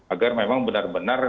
agar memang benar benar